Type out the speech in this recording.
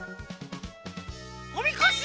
おみこし！